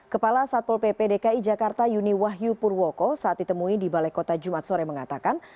kepala satpol pp dki jakarta yuni wahyu purwoko saat ditemui di balai kota jumat sore mengatakan